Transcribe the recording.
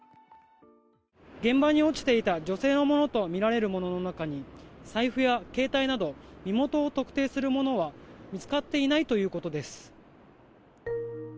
現場に落ちていた女性のものとみられるものの中に財布や携帯など身元を特定するものは見つかっていないということです。